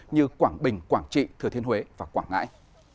như quảng bình quảng trị thừa thiên huế và quảng ngãi